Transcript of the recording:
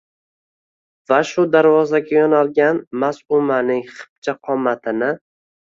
va shu darvozaga yoʼnalgan Maʼsumaning xipcha qomatini